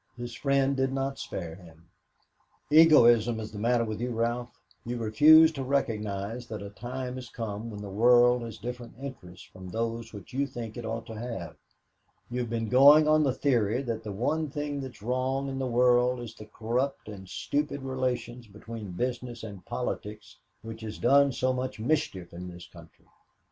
his friend did not spare him. "Egotism is the matter with you, Ralph. You refuse to recognize that a time has come when the world has different interests from those which you think it ought to have. You have been going on the theory that the one thing that is wrong in the world is the corrupt and stupid relation between business and politics which has done so much mischief in this country.